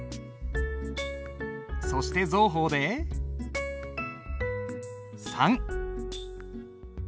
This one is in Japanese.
そして蔵鋒で３。